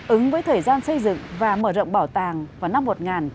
ứng với thời gian xây dựng và mở rộng bảo tàng vào năm một nghìn chín trăm bảy mươi